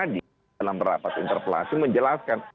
di dalam rapat interpelasi menjelaskan